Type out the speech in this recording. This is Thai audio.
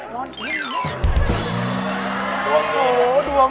โหดวง